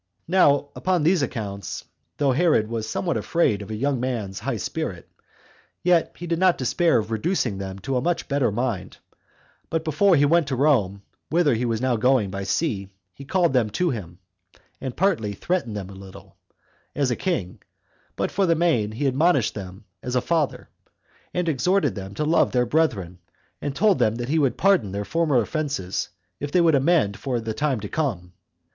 4. Now upon these accounts, though Herod was somewhat afraid of the young men's high spirit, yet did he not despair of reducing them to a better mind; but before he went to Rome, whither he was now going by sea, he called them to him, and partly threatened them a little, as a king; but for the main, he admonished them as a father, and exhorted them to love their brethren, and told them that he would pardon their former offenses, if they would amend for the time to come.